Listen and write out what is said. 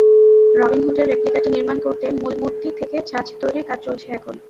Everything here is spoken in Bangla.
রবিনহুডের রেপ্লিকাটি নির্মাণ করতে মূল মূর্তি থেকে ছাঁচ তৈরির কাজ চলছে এখন।